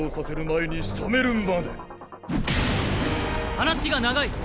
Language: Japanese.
話が長い。